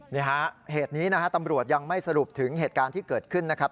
นี่ฮะเหตุนี้นะฮะตำรวจยังไม่สรุปถึงเหตุการณ์ที่เกิดขึ้นนะครับ